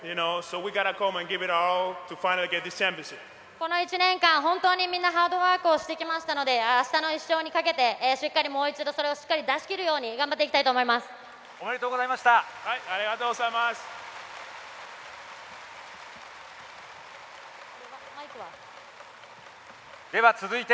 この１年間本当にみんなハードワークしてきたのであしたの１勝にかけてしっかり、もう一度それをしっかり出しきるようにおめでとうございました。